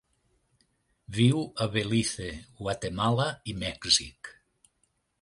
Viu a Belize, Guatemala i Mèxic.